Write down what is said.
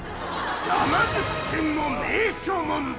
山口県の名所問題。